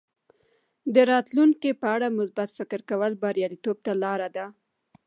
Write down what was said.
د راتلونکي په اړه مثبت فکر کول بریالیتوب ته لاره ده.